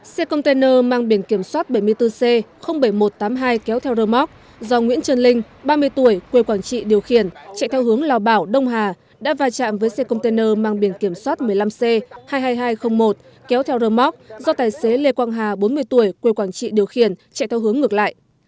xe container mang biển kiểm soát bảy mươi bốn c bảy nghìn một trăm tám mươi hai kéo theo rơ móc do nguyễn trần linh ba mươi tuổi quê quảng trị điều khiển chạy theo hướng lào bảo đông hà đã va chạm với xe container mang biển kiểm soát một mươi năm c hai mươi hai nghìn hai trăm linh một kéo theo rơ móc do tài xế lê quang hà bốn mươi tuổi quê quảng trị điều khiển chạy theo hướng ngược lại